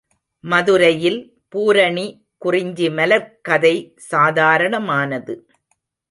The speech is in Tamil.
மதுரையில் பூரணி குறிஞ்சிமலர் க்கதை சாதாரணமானது.